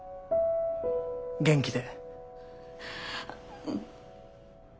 元気で。